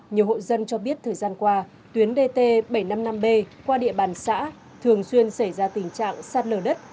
nhiều hộ dân cho biết thời gian qua tuyến dt bảy trăm năm mươi năm b qua địa bàn xã thường xuyên xảy ra tình trạng sạt lở đất